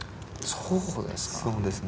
そうですね。